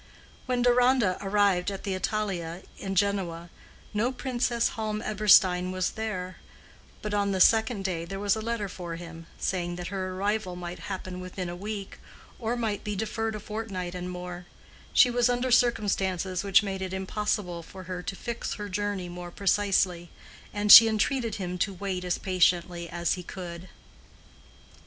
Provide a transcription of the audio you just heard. When Deronda arrived at the Italia in Genoa, no Princess Halm Eberstein was there; but on the second day there was a letter for him, saying that her arrival might happen within a week, or might be deferred a fortnight and more; she was under circumstances which made it impossible for her to fix her journey more precisely, and she entreated him to wait as patiently as he could.